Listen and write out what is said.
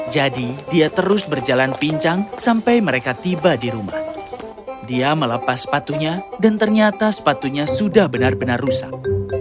jadi dia terus berjalan pincang sampai mereka tiba di rumah dia melepas sepatunya dan ternyata sepatunya sudah benar benar rusak